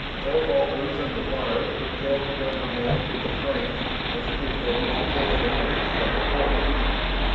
Thorvald loosened the wires which held the younger man to the frame and stood ready to catch him as he slumped forward.